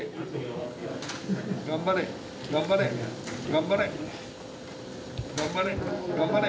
頑張れ頑張れ頑張れ！